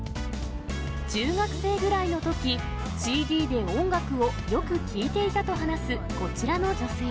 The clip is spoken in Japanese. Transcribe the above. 中学生ぐらいのとき、ＣＤで音楽をよく聴いていたと話す、こちらの女性。